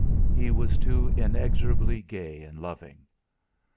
He was too inexorably gay and loving.